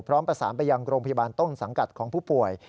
พร้อมประสานไปยังโรงพยาบาลต้นสังกัดของผู้ป่วย